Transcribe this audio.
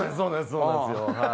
そうなんですよ。